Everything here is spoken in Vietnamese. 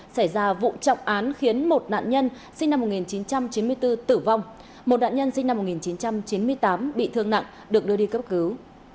xảy ra vụ trọng án khiến một nạn nhân sinh năm một nghìn chín trăm chín mươi bốn tử vong một nạn nhân sinh năm một nghìn chín trăm chín mươi tám bị thương nặng được đưa đi cấp cứu